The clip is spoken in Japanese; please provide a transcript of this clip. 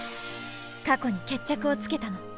過去に決着をつけたの。